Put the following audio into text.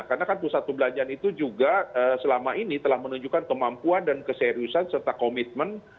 karena kan pusat belanjaan itu juga selama ini telah menunjukkan kemampuan dan keseriusan serta komitmen